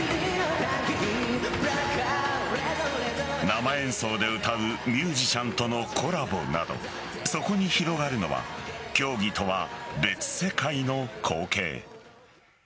生演奏で歌うミュージシャンとのコラボなどそこに広がるのは競技とは別世界の光景。